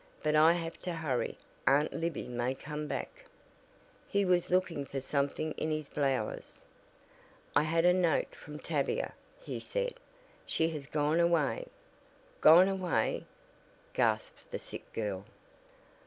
"But I have to hurry. Aunt Libby may come back." He was looking for something in his blouse. "I had a note from Tavia," he said. "She has gone away " "Gone away!" gasped the sick girl.